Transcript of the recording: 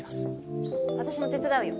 私も手伝うよ。